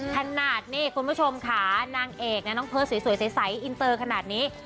ขนาดนี่คุณผู้ชมค่ะนางเอกนะน้องเตอร์สวยใสอินเตอร์ขนาดนี้